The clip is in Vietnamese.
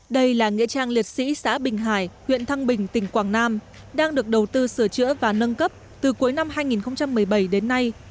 đây là nghĩa trang liệt sĩ xã bình hải huyện thăng bình tỉnh quảng nam đang được đầu tư sửa chữa và nâng cấp từ cuối năm hai nghìn một mươi bảy đến nay